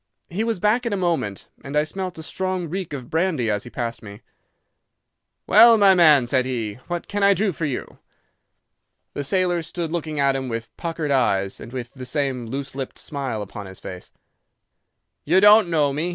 He was back in a moment, and I smelt a strong reek of brandy as he passed me. "'Well, my man,' said he, 'what can I do for you?' "The sailor stood looking at him with puckered eyes, and with the same loose lipped smile upon his face. "'You don't know me?